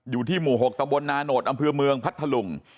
อยู่ที่หมู่๖ตำบลนาโนธอำเภอเมืองพัทธลุง